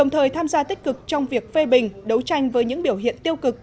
thời tham gia tích cực trong việc phê bình đấu tranh với những biểu hiện tiêu cực